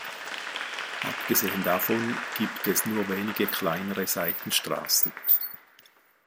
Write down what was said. Abgesehen davon gibt es nur wenige kleinere Seitenstraßen.